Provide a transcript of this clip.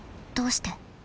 どうして？